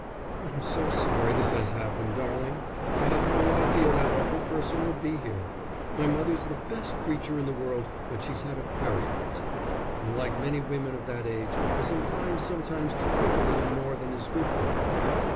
"I'm so sorry this has happened, darling. I had no idea that awful person would be here. My mother's the best creature in the world, but she's had a very hard time, and, like many women of that age, is inclined sometimes to drink a little more than is good for her.